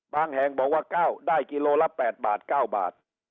แห่งบอกว่า๙ได้กิโลละ๘บาท๙บาท